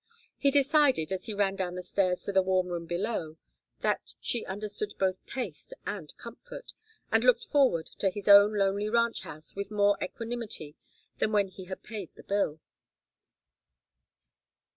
He decided, as he ran down the stairs to the warm room below, that she understood both taste and comfort, and looked forward to his own lonely ranch house with more equanimity than when he had paid the bill.